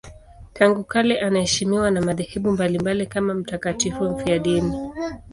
Tangu kale anaheshimiwa na madhehebu mbalimbali kama mtakatifu mfiadini.